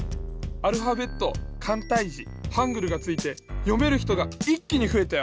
アルファベットかんたいじハングルがついてよめるひとがいっきにふえたよ。